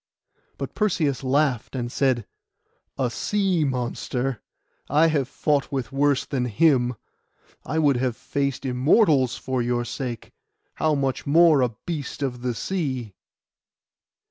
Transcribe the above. But Perseus laughed, and said, 'A sea monster? I have fought with worse than him: I would have faced Immortals for your sake; how much more a beast of the sea?